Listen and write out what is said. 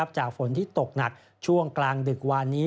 ฝนที่ตกหนักช่วงกลางดึกวานนี้